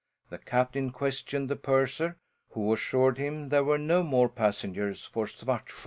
The captain questioned the purser, who assured him there were no more passengers for Svartsjö.